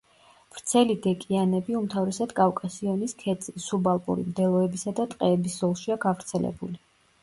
ვრცელი დეკიანები უმთავრესად კავკასიონის ქედზე, სუბალპური მდელოებისა და ტყეების ზოლშია გავრცელებული.